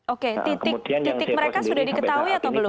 oke titik mereka sudah diketahui atau belum